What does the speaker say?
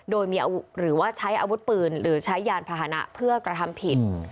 โดยมีอาวุธหรือว่าใช้อาวุธปืนหรือใช้ยานพาหนะเพื่อกระทำผิด